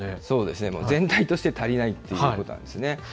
そうですね、全体として足りないということなんですね。